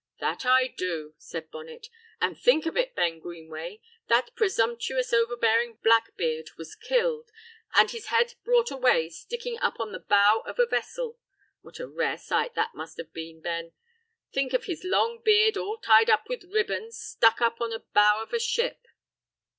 "That do I," said Bonnet. "And think of it, Ben Greenway, that presumptuous, overbearing Blackbeard was killed, and his head brought away sticking up on the bow of a vessel. What a rare sight that must have been, Ben! Think of his long beard, all tied up with ribbons, stuck up on the bow of a ship!"